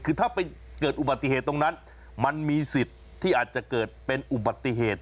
คือถ้าไปเกิดอุบัติเหตุตรงนั้นมันมีสิทธิ์ที่อาจจะเกิดเป็นอุบัติเหตุ